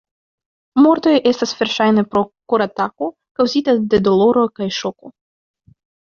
Mortoj estas verŝajne pro koratako kaŭzita de doloro kaj ŝoko.